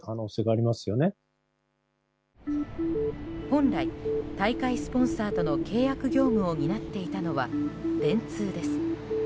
本来、大会スポンサーとの契約業務を担っていたのは電通です。